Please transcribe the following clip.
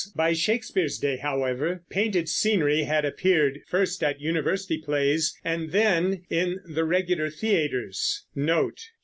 By Shakespeare's day, however, painted scenery had appeared, first at university plays, and then in the regular theaters.